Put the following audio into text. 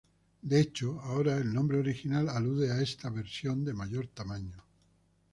De hecho, ahora el nombre original alude a esta versión de mayor tamaño.